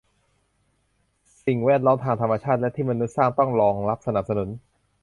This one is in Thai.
สิ่งแวดล้อมทั้งทางธรรมชาติและที่มนุษย์สร้างต้องรองรับสนับสนุน